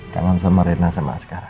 kangen sama reina sama askara